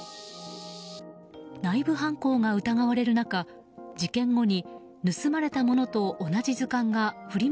内部犯行が疑われる中、事件後に盗まれたものと同じ図鑑がフリマ